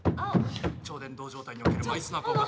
超伝導状態におけるマイスナー効果。